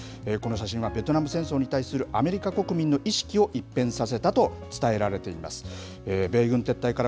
今ご覧いただけますけど、この写真はベトナム戦争に対するアメリカ国民の意識を一変させたと伝えられています。